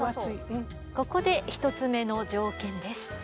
ここで１つ目の条件です。